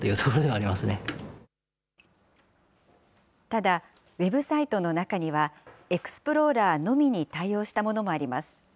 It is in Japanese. ただ、ウェブサイトの中には、エクスプローラーのみに対応したものもあります。